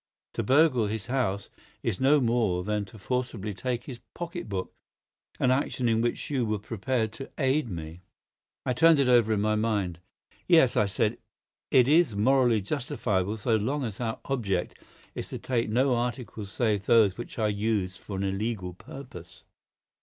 To burgle his house is no more than to forcibly take his pocket book—an action in which you were prepared to aid me." I turned it over in my mind. "Yes," I said; "it is morally justifiable so long as our object is to take no articles save those which are used for an illegal purpose."